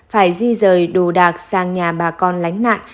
phải di rời đồ đạc sang nhà bà con lánh nạn